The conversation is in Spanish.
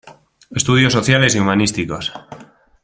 Estudios Sociales y Humanísticos.